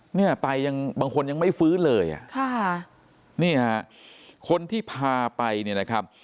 เนี่ยไปยังบางคนยังไม่ฟื้นเลยอ่ะค่ะนี่ฮะคนที่พาไปเนี่ยนะครับ